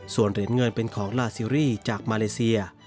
ส่วนเหรียญเงินเป็นของลาซีรีส์จากมาเลเซีย